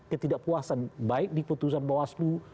ketidakpuasan baik di putusan bawah slu